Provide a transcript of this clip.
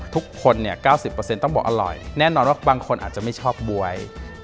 ทุกคนเนี่ย๙๐ต้องบอกอร่อยแน่นอนว่าบางคนอาจจะไม่ชอบบ๊วย